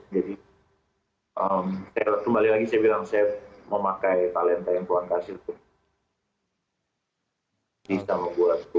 jadi kembali lagi saya bilang saya mau pakai talenta yang tuhan kasih